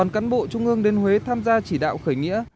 một cán bộ trung ương đến huế tham gia chỉ đạo khởi nghĩa